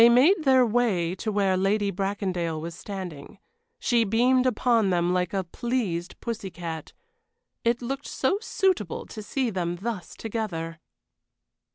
They made their way to where Lady Bracondale was standing. She beamed upon them like a pleased pussy cat. It looked so suitable to see them thus together!